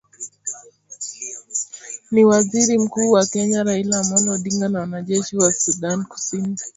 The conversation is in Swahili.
ni waziri mkuu wa kenya raila amollo odinga na wanajeshi wa sudan kusini